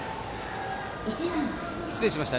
失礼しました。